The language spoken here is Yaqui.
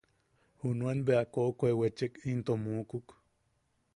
Junum bea koʼokoe wechek into muukuk.